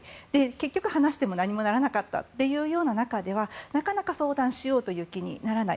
結局話しても何もならなかったという中では相談しようという気にならない。